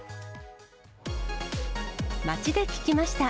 街で聞きました。